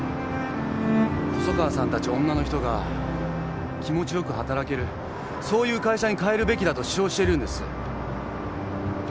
細川さんたち女の人が気持ちよく働けるそういう会社に変えるべきだと主張しているんです。